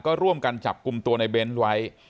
ก็ร่วมกันจับกลุ่มตัวในเบ้นไว้